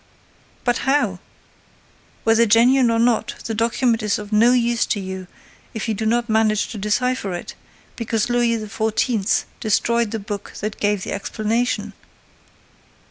"But how? Whether genuine or not, the document is of no use to you if you do not manage to decipher it, because Louis XVI. destroyed the book that gave the explanation."